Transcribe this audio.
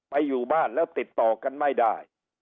อยู่บ้านแล้วติดต่อกันไม่ได้